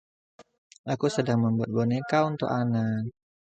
Aku sedang membuat boneka untuk Anna.